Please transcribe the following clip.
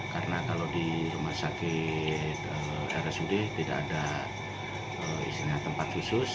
karena kalau di rumah sakit rasudih tidak ada isinya tempat khusus